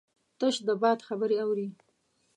تش د باد خبرې اوري